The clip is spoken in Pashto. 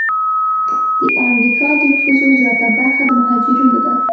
د امریکا د نفوسو زیاته برخه د مهاجرینو ده.